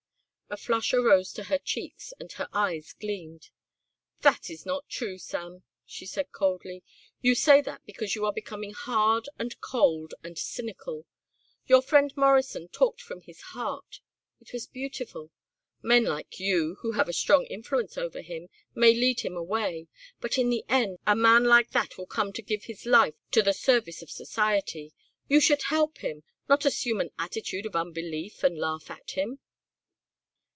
A flush arose to her cheeks and her eyes gleamed. "That is not true, Sam," she said coldly. "You say that because you are becoming hard and cold and cynical. Your friend Morrison talked from his heart. It was beautiful. Men like you, who have a strong influence over him, may lead him away, but in the end a man like that will come to give his life to the service of society. You should help him; not assume an attitude of unbelief and laugh at him."